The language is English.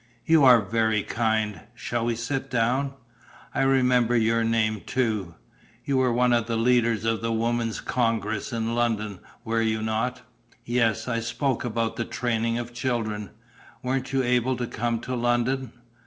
"You are very kind. Shall we sit down? I remember your name too. You were one of the leaders of the Women's Congress in London, were you not?" "Yes, I spoke about the training of children. Weren't you able to come to London?"